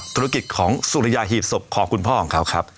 ธุรกิจของสุริยาหีบศพของคุณพ่อของเขาครับ